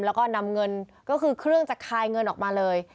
แล้วก็นำเงินก็คือเครื่องจะคายเงินออกมาเลย